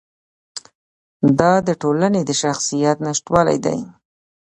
دا د ټولنې د شخصیت نشتوالی دی.